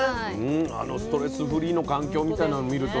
あのストレスフリーの環境みたいなの見るとね。